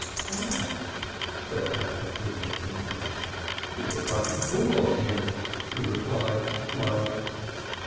"Why?" said Hannah, innocently. "Because I could call on him," he replied, smiling.